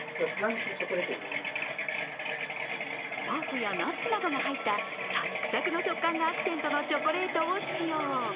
パフやナッツなどが入ったサックサクの食感がアクセントのチョコレートを使用。